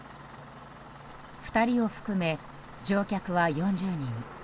２人を含め乗客は４０人。